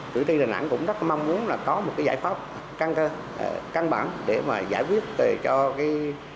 thì cử tri đà nẵng cũng rất mong muốn là có một cái giải pháp căng cơ căng bản để mà giải quyết cho cái